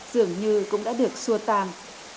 dường như cũng đã được xua tàn